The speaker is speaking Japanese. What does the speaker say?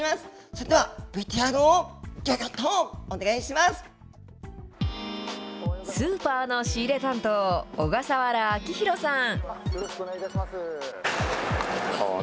それではＶＴＲをぎょぎょっとおスーパーの仕入れ担当、小笠原彰宏さん。